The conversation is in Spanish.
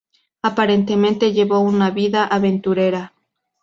Aparentemente llevó una vida aventurera.